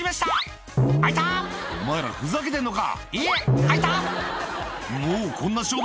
あ、お前ら、ふざけてんのか？